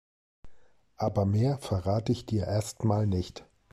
Aber mehr verrate ich dir erstmal nicht.